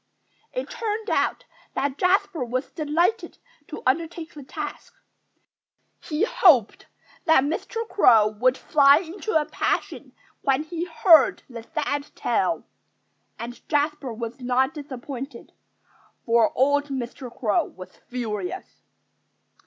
It turned out that Jasper was delighted to undertake the task. He hoped that Mr. Crow would fly into a passion when he heard the sad tale. And Jasper was not disappointed. For old Mr. Crow was furious.